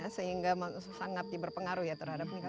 ini tidak sangat berpengaruh ya terhadapnya